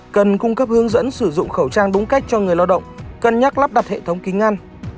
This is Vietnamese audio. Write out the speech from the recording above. cần cung cấp hướng dẫn sử dụng khẩu trang đúng cách cho người lao động cân nhắc lắp đặt hệ thống kính ngăn